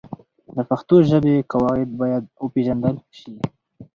د پښتو ژبې قواعد باید وپېژندل سي.